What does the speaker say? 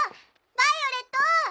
ヴァイオレット！